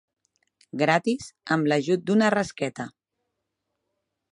Gratis amb l'ajut d'una rasqueta.